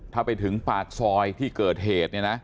ถ้าไปถึงปากซอยที่เกิดเหตุเนี่ยนะ